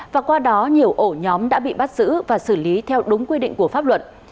và qua đó nhiều ổ nhóm đã bị bắt giữ và xử lý theo đúng quy định của pháp luật